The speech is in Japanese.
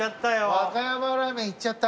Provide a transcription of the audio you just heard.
和歌山ラーメンいっちゃった。